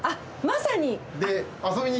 まさに。